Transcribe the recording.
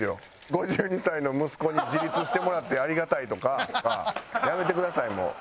５２歳の息子に自立してもらってありがたいとかやめてくださいもう。